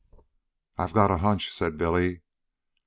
"I've got a hunch," said Billy.